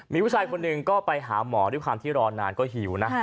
มีผู้ชายคนหนึ่งก็ไปหาหมอที่ดีมนานก็หิวนะ